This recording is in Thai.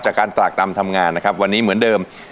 จากการตรากตำทำงานนะครับวันนี้เหมือนเดิม